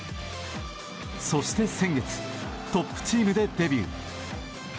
そして先月トップチームでデビュー。